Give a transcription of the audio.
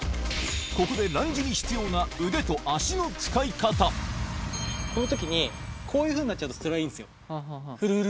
ここでランジに必要な腕と足このときに、こういうふうになっちゃうとつらいんですよ。